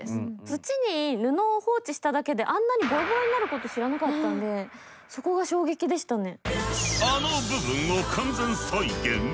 土に布を放置しただけであんなにボロボロになること知らなかったんでそこが衝撃でしたね。